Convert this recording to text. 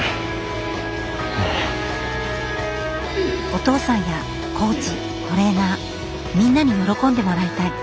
お父さんやコーチトレーナーみんなに喜んでもらいたい。